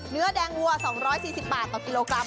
เนื้อแดงวัว๒๔๐บาทต่อกิโลกรัม